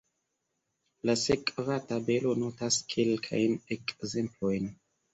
La sekva tabelo notas kelkajn ekzemplojn.